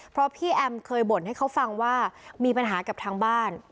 เพราะพี่แอมเคยบ่นให้เขาฟังว่ามีปัญหากับทางบ้าน